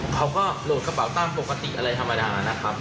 เขาก็โหลดกระเป๋าตามปกติอะไรธรรมดานะครับ